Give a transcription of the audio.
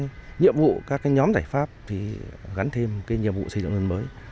đồng bộ các nhiệm vụ các nhóm giải pháp gắn thêm nhiệm vụ xây dựng đồng tuần mới